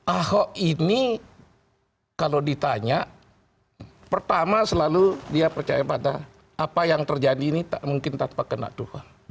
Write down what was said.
ahok ini kalau ditanya pertama selalu dia percaya pada apa yang terjadi ini tak mungkin tanpa kena tuhan